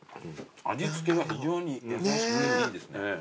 味付けが非常に優しくていいですね。